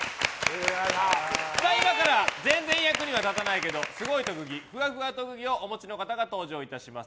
今から全然役には立たないけどすごい特技ふわふわ特技をお持ちの方が登場いたします。